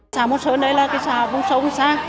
xà một sơn đây là cái xà vùng sông xa